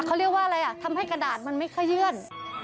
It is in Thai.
เขาเรียกว่าอะไรอ่ะทำให้กระดาษมันไม่ขยื่น